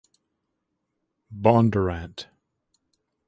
Bondurant.